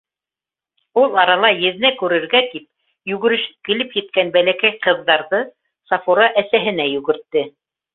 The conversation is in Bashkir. Ул арала, еҙнә күрергә тип, йүгерешеп килеп еткән бәләкәй ҡыҙҙарҙы Сафура әсәһенә йүгертте: